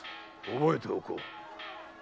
覚えておこう。